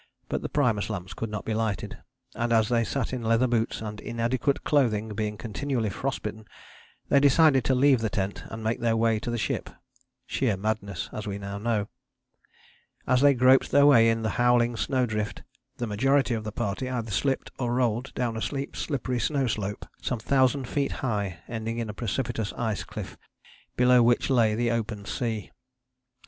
But the primus lamps could not be lighted, and as they sat in leather boots and inadequate clothing being continually frost bitten they decided to leave the tent and make their way to the ship sheer madness as we now know. As they groped their way in the howling snow drift the majority of the party either slipped or rolled down a steep slippery snow slope some thousand feet high ending in a precipitous ice cliff, below which lay the open sea.